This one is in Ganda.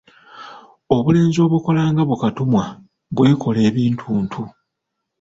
Obulenzi obukola nga bu katumwa bwekola ebintuntu.